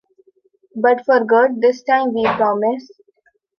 But for good this time- we promise.